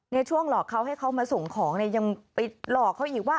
ในช่วงหลอกเขาให้เขามาส่งของเนี่ยยังไปหลอกเขาอีกว่า